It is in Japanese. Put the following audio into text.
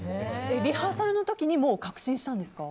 リハーサルの時に確信したんですか？